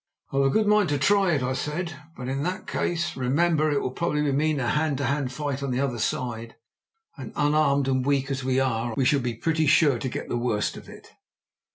"I've a good mind to try it," I said; "but in that case, remember, it will probably mean a hand to hand fight on the other side, and, unarmed and weak as we are, we shall be pretty sure to get the worst of it."